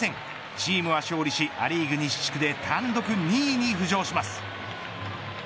チームは勝利しア・リーグ西地区で単独２位に浮上します。